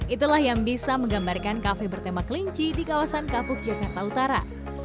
itulah yang bisa menggambarkan kafe bertema kelinci di kawasan kapuk jakarta utara